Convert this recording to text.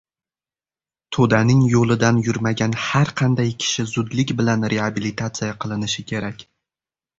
to’daning yo’lidan yurmagan har qanday kishi zudlik bilan reabilitatsiya qilinishi kerak